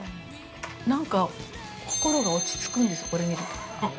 何か心が落ち着くんですよ、これ見ると。